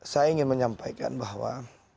saya ingin menyampaikan bahwa